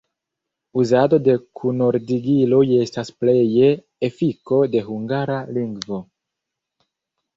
Uzado de kunordigiloj estas pleje efiko de Hungara lingvo.